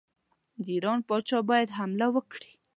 د ایران پاچا باید حمله وکړي.